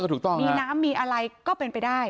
มีน้ำมีอะไรก็เป็นไปได้